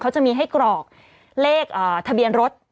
เขาจะมีให้กรอกเลขทะเบียนรถ